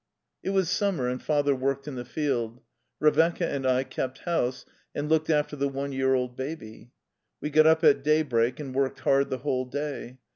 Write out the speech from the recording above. It was summer, and father worked in the field. Revecca and I kept house and looked after the one year old baby. We got up at daybreak and worked hard the whole day.